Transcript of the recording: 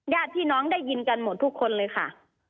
ญาติพี่น้องได้ยินกันหมดทุกคนเลยค่ะ